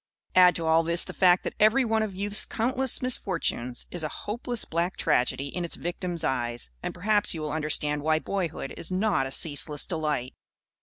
Add to all this the fact that every one of youth's countless misfortunes is a hopeless black tragedy in its victim's eyes, and perhaps you will understand why boyhood is not a ceaseless delight.